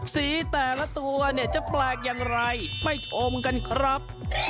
สีแต่ละตัวจะแปลกอย่างไรไปชมกันครับ